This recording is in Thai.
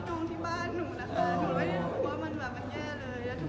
ผมก็ไม่รู้แต่สำหรับหนูค่ะถ้ามันดอยหนูก็ไม่ได้แย่